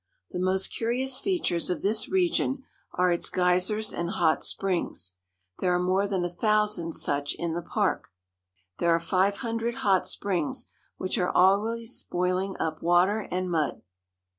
The most curious features of this region are its geysers and hot springs. There are more than a thousand such in the park. There are five hundred hot springs which are always boiling up water and mud.